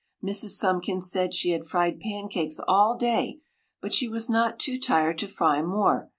Mrs. Thumbkins said she had fried pancakes all day but she was not too tired to fry more.